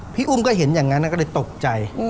พี่อุ้มก็เห็นอย่างนั้นก็เลยตกใจ